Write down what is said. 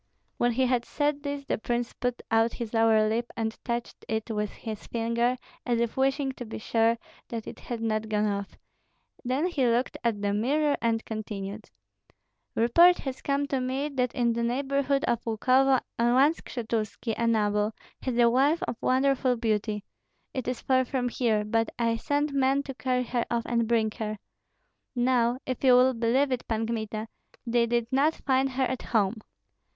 When he had said this the prince put out his lower lip and touched it with his fingers, as if wishing to be sure that it had not gone off: then he looked at the mirror and continued, "Report has come to me that in the neighborhood of Lukovo one Skshetuski, a noble, has a wife of wonderful beauty. It is far from here; but I sent men to carry her off and bring her. Now, if you will believe it, Pan Kmita, they did not find her at home."